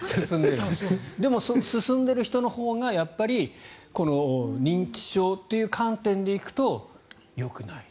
でも、進んでいる人のほうがやっぱり認知症という観点で行くとよくないと。